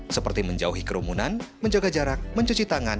seperti menjauhi kerumunan menjaga jarak mencuci tangan